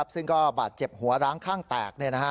ซึ่งก็บาดเจ็บหัวร้างข้างแตก